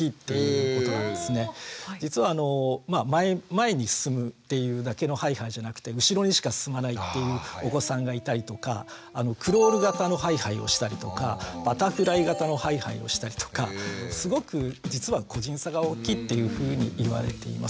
実は前に進むっていうだけのハイハイじゃなくて後ろにしか進まないっていうお子さんがいたりとかクロール型のハイハイをしたりとかバタフライ型のハイハイをしたりとかすごく実は個人差が大きいっていうふうにいわれています。